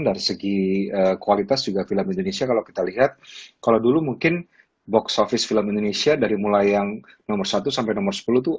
dari segi kualitas juga film indonesia kalau kita lihat kalau dulu mungkin box office film indonesia dari mulai yang nomor satu sampai nomor sepuluh tuh